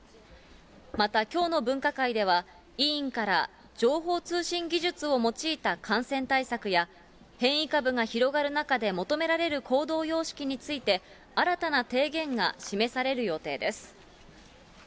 またきょうの分科会では、委員から情報通信技術を用いた感染対策や、変異株が広がる中で求められる行動様式について、新たな提言が示される予定です。